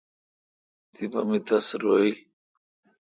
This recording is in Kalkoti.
تپہ می تس روییل۔